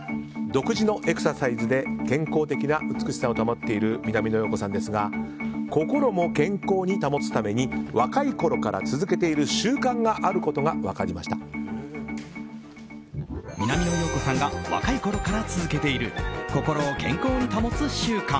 独自のエクササイズで健康的な美しさを保っている南野陽子さんですが心も健康に保つために若いころから続けている習慣が南野陽子さんが若いころから続けている心を健康に保つ習慣。